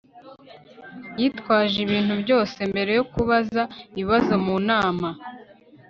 yitwaje ibintu byose mbere yo kubaza ibibazo mu nama